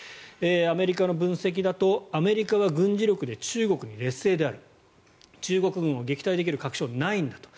アメリカの分析だと、アメリカは軍事力で中国に劣勢である中国軍を撃退できる確証はないんだと。